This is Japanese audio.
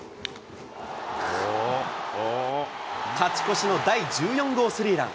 勝ち越しの第１４号スリーラン。